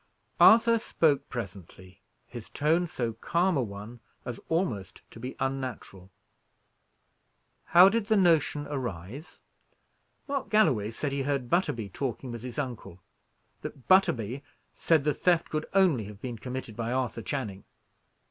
Arthur spoke presently, his tone so calm a one as almost to be unnatural. "How did the notion arise?" "Mark Galloway said he heard Butterby talking with his uncle; that Butterby said the theft could only have been committed by Arthur Channing.